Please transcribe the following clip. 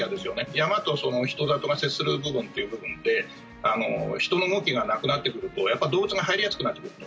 山と人里が接するという部分で人の動きがなくなってくると動物が入りやすくなってくると。